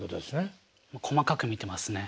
細かく見てますね。